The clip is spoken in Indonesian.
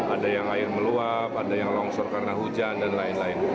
ada yang air meluap ada yang longsor karena hujan dan lain lain